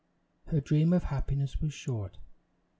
Her dream of happiness was short.